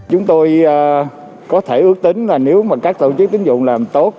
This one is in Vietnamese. chúng tôi có thể ước tính là nếu mà các tổ chức tính dụng làm tốt